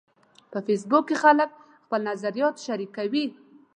په فېسبوک کې خلک خپل نظریات شریکوي